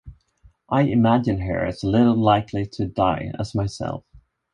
I imagined her as little likely to die as myself.